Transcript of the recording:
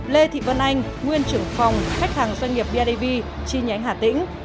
năm lê thị vân anh nguyên trưởng phòng khách hàng doanh nghiệp bidv chi nhánh hà tĩnh